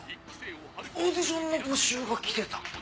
オーディションの募集がきてた。